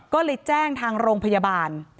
ก็เลยแจ้งทางโรงพยาบาล